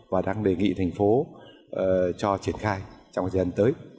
và đang đề nghị thành phố cho triển khai trong thời gian tới